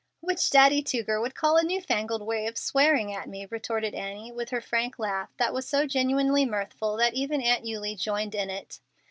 "Which Daddy Tuggar would call a new fangled way of swearing at me," retorted Annie, with her frank laugh that was so genuinely mirthful that even Aunt Eulie joined in it.